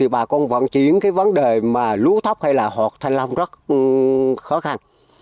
bà con vận chuyển vấn đề lũ thóc hay hột thanh long rất khó khăn